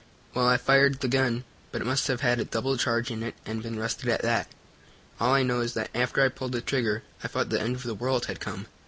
"Well, I fired the gun. But it must have had a double charge in it and been rusted at that. All I know is that after I pulled the trigger I thought the end of the world had come.